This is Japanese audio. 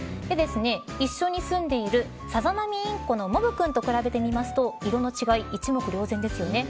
一緒に住んでいるサザナミインコのモブくんと比べてみると色の違い、一目瞭然ですよね。